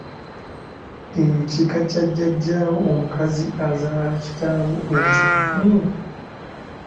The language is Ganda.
Ekika kya Jjaajjaawo omukazi azaala kitaawo okimanyi?